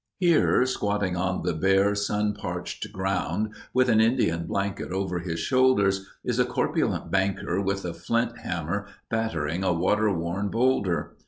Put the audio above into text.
Here, squatting on the bare sun parched ground, with an Indian blanket over his shoulders, is a corpulent banker with a flint hammer battering a water worn boulder.